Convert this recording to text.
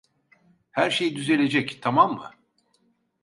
Her şey düzelecek, tamam mı?